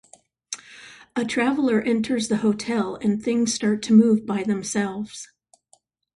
A traveller enters the hotel and things start to move by themselves.